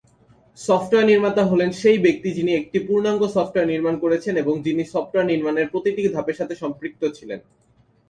Software নির্মাতা হলেন সেই ব্যক্তি যিনি একটি পূর্ণাঙ্গ সফটওয়্যার নির্মাণ করেছেন এবং যিনি সফটওয়্যার নির্মাণের প্রতিটি ধাপের সাথে সম্পৃক্ত ছিলেন।